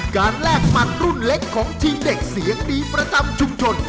แลกหมัดรุ่นเล็กของทีมเด็กเสียงดีประจำชุมชน